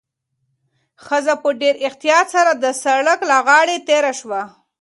ښځه په ډېر احتیاط سره د سړک له غاړې تېره شوه.